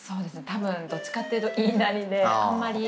多分どっちかっていうと言いなりであんまり